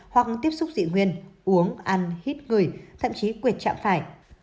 hoặc tiếp xúc dị nguyên uống ăn hít gửi thậm chí quyệt chạm phải